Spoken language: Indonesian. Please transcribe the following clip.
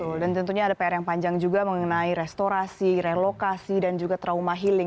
betul dan tentunya ada pr yang panjang juga mengenai restorasi relokasi dan juga trauma healing